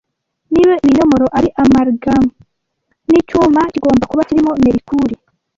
Niba ibinyomoro ari amalgam nicyuma kigomba kuba kirimo Merikuri